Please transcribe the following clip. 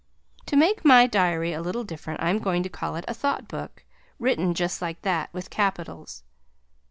To make my diary a little different I am going to call it a THOUGHT Book (written just like that, with capitals).